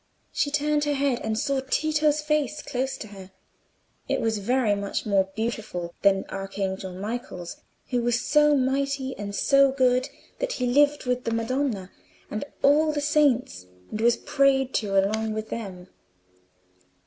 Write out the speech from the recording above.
She turned her head and saw Tito's face close to her: it was very much more beautiful than the Archangel Michael's, who was so mighty and so good that he lived with the Madonna and all the saints and was prayed to along with them.